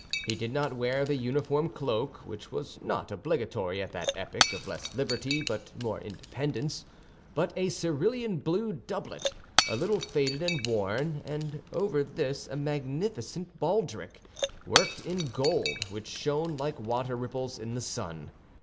He did not wear the uniform cloak—which was not obligatory at that epoch of less liberty but more independence—but a cerulean blue doublet, a little faded and worn, and over this a magnificent baldric, worked in gold, which shone like water ripples in the sun.